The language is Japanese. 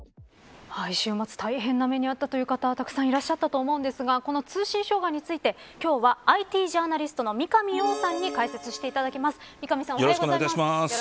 週末、大変な目にあったという方、大変多いと思うんですがこの通信障害について、今日はＩＴジャーナリストの三上洋さんに解説していただきます。